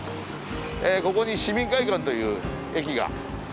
ここに市民会館という駅が。